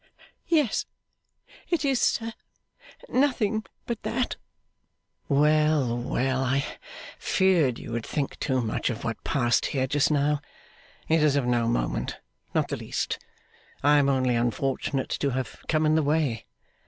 'Yes it is, sir. Nothing but that.' 'Well, well! I feared you would think too much of what passed here just now. It is of no moment; not the least. I am only unfortunate to have come in the way.